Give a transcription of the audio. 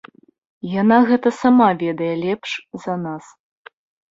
Яна гэта сама ведае лепш за нас.